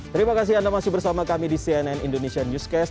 terima kasih anda masih bersama kami di cnn indonesia newscast